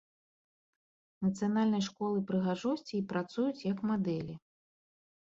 Нацыянальнай школы прыгажосці і працуюць як мадэлі.